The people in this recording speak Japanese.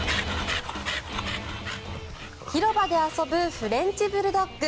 広場で遊ぶフレンチブルドッグ。